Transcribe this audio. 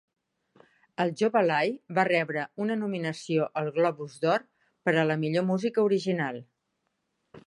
El jove Lai va rebre una nominació al Globus d'Or per a la Millor música original.